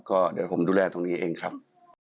ก็เดี๋ยวผมดูแลตรงนี้เองครับ